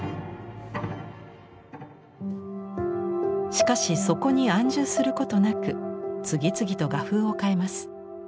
しかしそこに安住することなく次々と画風を変えます。